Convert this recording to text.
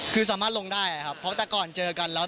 คือสามารถลงได้ครับเพราะแต่ก่อนเจอกันแล้ว